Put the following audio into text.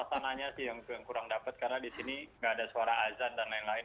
suasananya sih yang kurang dapat karena di sini nggak ada suara azan dan lain lain